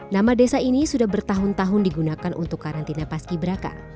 nama desa ini sudah bertahun tahun digunakan untuk karantina paski beraka